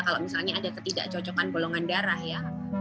kalau misalnya ada ketidak cocokan bolongan darah ya